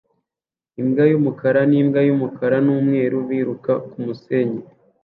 Imbwa yumukara nimbwa yumukara numweru biruka kumusenyi